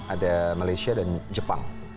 ada malaysia dan jepang